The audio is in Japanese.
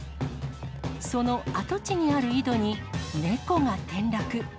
その跡地にある井戸に猫が転落。